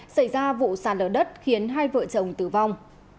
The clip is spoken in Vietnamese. xảy ra vụ sàn lở đất khiến hai vợ chồng tử vong